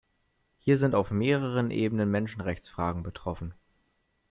Hier sind auf mehreren Ebenen Menschenrechtsfragen betroffen.